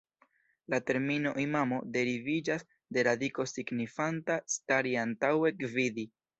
La termino "imamo" deriviĝas de radiko signifanta "stari antaŭe, gvidi".